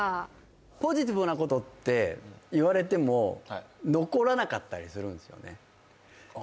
ポジティブなことって言われても残らなかったりするんですよね。